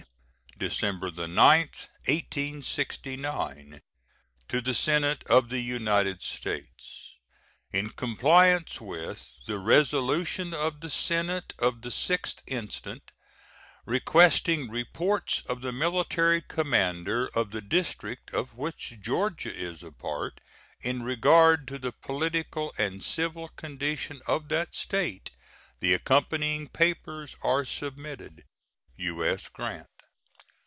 December 9, 1869. To the Senate of the United States: In compliance with the resolution of the Senate of the 6th instant, requesting reports of the military commander of the district of which Georgia is a part in regard to the political and civil condition of that State, the accompanying papers are submitted. U.S. GRANT.